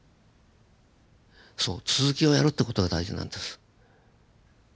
そう続きをやるって事が大事なんです。